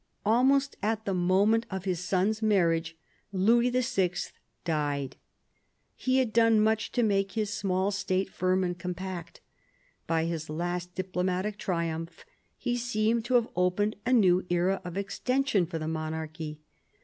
Almost at the moment of his son's marriage Louis VI. died. He had done much to make his small state firm and compact. By his last diplomatic triumph he seemed to have opened a new era of extension for the monarchy.